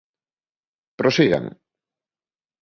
Prosigan.